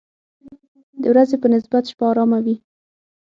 د ورځې په نسبت شپه آرامه وي.